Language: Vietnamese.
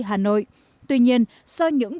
hà nội tuy nhiên do những